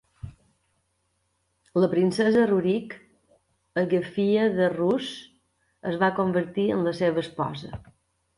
La princesa Rurik, Agafia de Rus, es va convertir en la seva esposa.